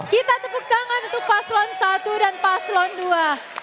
kita tepuk tangan untuk paswon i dan paswon ii